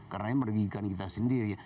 karena merugikan kita sendiri